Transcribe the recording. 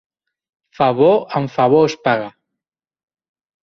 Favor amb favor es paga.